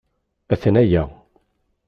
Atnaya.